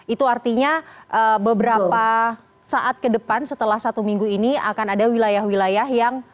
itu artinya beberapa saat ke depan setelah satu minggu ini akan ada wilayah wilayah yang